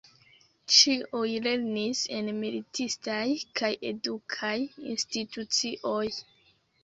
Ĉiuj lernis en militistaj kaj edukaj institucioj.